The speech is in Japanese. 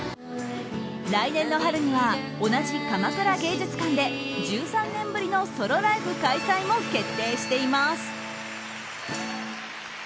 来年の春には同じ鎌倉芸術館で１３年ぶりのソロライブ開催も決定しています。